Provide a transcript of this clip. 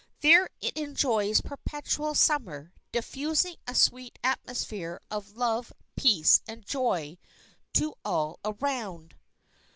There it enjoys perpetual Summer, diffusing a sweet atmosphere of love, peace, and joy to all around.